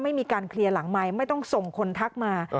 ไม่มีการเคลียร์หลังไมค์ไม่ต้องส่งคนทักมา